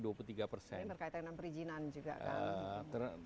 ini berkaitan dengan perizinan juga kan